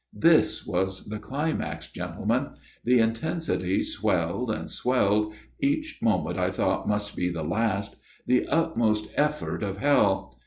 " This was the climax, gentlemen. The intensity swelled and swelled each moment I thought must be the last the utmost effort of hell.